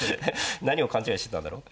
何を勘違いしてたんだろう。